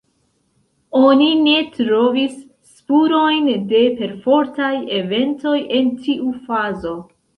Oni ne trovis spurojn de perfortaj eventoj en tiu fazo.